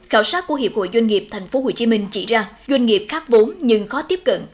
khảo sát của hiệp hội doanh nghiệp tp hcm chỉ ra doanh nghiệp khác vốn nhưng khó tiếp cận